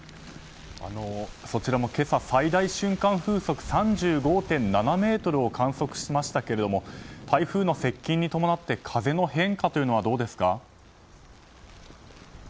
そちらも今朝、最大瞬間風速３５．７メートルを観測しましたけれども台風の接近に伴って風の変化はどうですか？